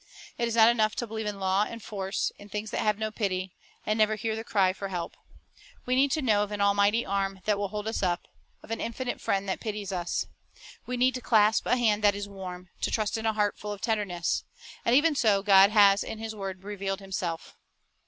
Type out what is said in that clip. It is not enough to believe in law and force, in things that have no pity, and never hear the cry for help. We need to know of an almighty arm that will hold us up, of an infinite Friend that pities us. We need to clasp a hand that is warm, to trust in a heart full of tenderness. And even so God has in His word revealed Himself.